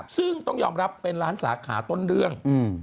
ซึ่งต้องยอมรับเป็นล้านสาขาต้นเรื่อง